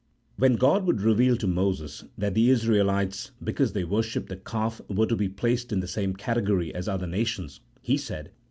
When God would reveal to Moses that the Israelites, because they worshipped the calf, were to be placed in the same category as other nations, He said (ch.